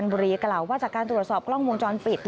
แล้วเขาก็ฝากที่น้องมัฟเบี้ยง